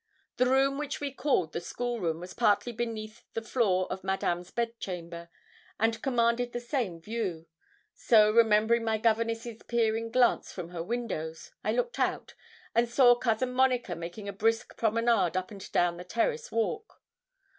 The room which we called the school room was partly beneath the floor of Madame's bed chamber, and commanded the same view; so, remembering my governess's peering glance from her windows, I looked out, and saw Cousin Monica making a brisk promenade up and down the terrace walk.